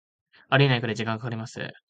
ありえないくらい時間かかります